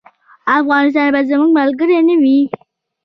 افغانستان به زموږ ملګری نه وي.